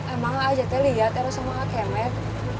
emang ajatnya lihat eros sama kak kemet